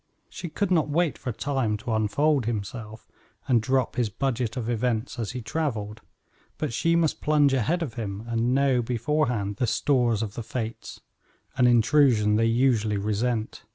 She could not wait for Time to unfold himself, and drop his budget of events as he traveled, but she must plunge ahead of him, and know, beforehand, the stores of the fates an intrusion they usually resent.